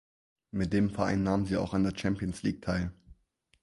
Mit dem Verein nahm sie auch an der Champions League teil.